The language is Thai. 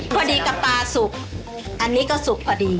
พอดีกับปลาสุกอันนี้ก็สุกพอดี